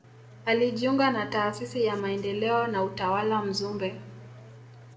Alijiunga na taasisi ya maendeleo na utawala Mzumbe